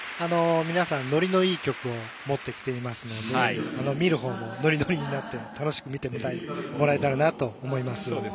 皆さんノリのいい曲を持ってきてますので見るほうもノリノリになって楽しく見ていただけたらなと思います。